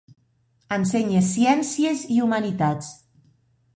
Ensenya ciències i humanitats.